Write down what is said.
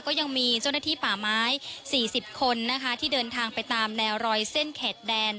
ก็ยังมีเจ้าหน้าที่ป่าไม้๔๐คนนะคะที่เดินทางไปตามแนวรอยเส้นเขตแดน